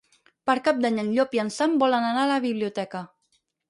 Per Cap d'Any en Llop i en Sam volen anar a la biblioteca.